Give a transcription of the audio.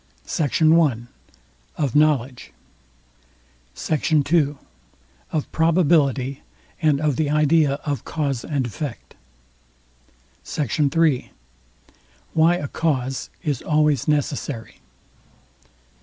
SECT. I. OF KNOWLEDGE. SECT. II. OF PROBABILITY, AND OF THE IDEA OF CAUSE AND EFFECT. SECT. III. WHY A CAUSE IS ALWAYS NECESSARY.